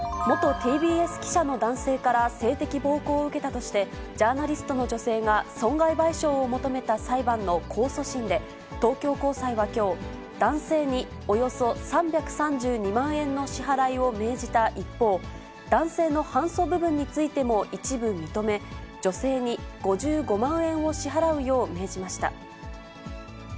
元ＴＢＳ記者の男性から性的暴行を受けたとして、ジャーナリストの女性が損害賠償を求めた裁判の控訴審で、東京高裁はきょう、男性におよそ３３２万円の支払いを命じた一方、男性の反訴部分についても一部認め、女性に５５万円を支払うよう命じました。